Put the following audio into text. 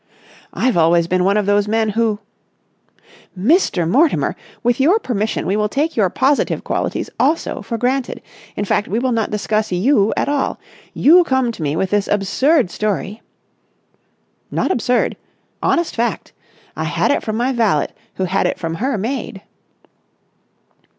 "I've always been one of those men who...." "Mr. Mortimer! With your permission we will take your positive qualities, also, for granted. In fact, we will not discuss you at all. You come to me with this absurd story...." "Not absurd. Honest fact. I had it from my valet who had it from her maid."